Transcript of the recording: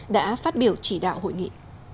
đã phát biểu chỉ đạo hội nghị